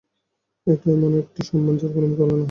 এটা এমন একটা সম্মান যার কোন তুলনা হয় না।